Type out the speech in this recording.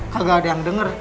gak ada yang denger